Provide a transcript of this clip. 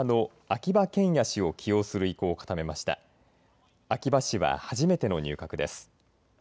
秋葉氏は初めての入閣です。